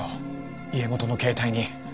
家元の携帯に。